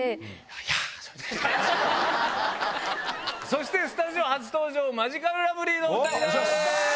そしてスタジオ初登場マヂカルラブリーのお２人です。